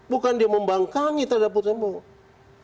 bukan dia membangkangi terhadap putusan pt un